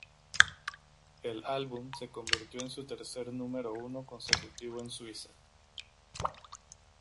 El álbum se convirtió en su tercer número uno consecutivo en Suiza.